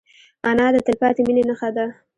انا د تلپاتې مینې نښه ده